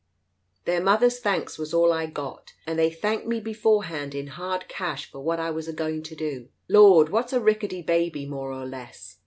Their mothers' thanks was all I got, and they thanked me beforehand in hard cash for what I was a going to do. Lord, what's a ricketty baby more or less